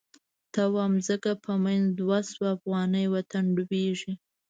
ته وا ځمکه په منځ دوه شوه، افغانی وطن ډوبیږی